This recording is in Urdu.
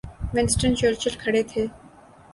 ونسٹن چرچل کھڑے تھے۔